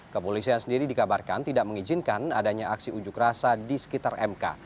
kepolisian sendiri dikabarkan tidak mengizinkan adanya aksi unjuk rasa di sekitar mk